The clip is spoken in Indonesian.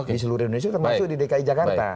di seluruh indonesia termasuk di dki jakarta